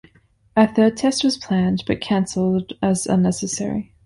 A third test was planned, but canceled as unnecessary.